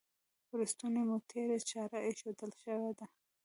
پر ستوني مو تیره چاړه ایښودل شوې وه.